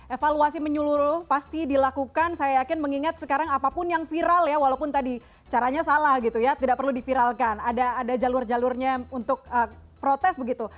evaluasi menyeluruh pasti dilakukan saya yakin mengingat sekarang apapun yang viral ya walaupun tadi caranya salah gitu ya tidak perlu diviralkan ada jalur jalurnya untuk protes begitu